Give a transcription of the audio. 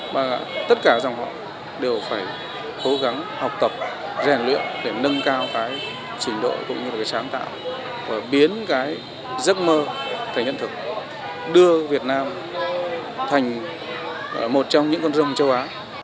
mà tất cả dòng họ đều phải cố gắng học tập rèn luyện để nâng cao cái trình độ cũng như là cái sáng tạo và biến cái giấc mơ thành hiện thực đưa việt nam thành một trong những con rồng châu á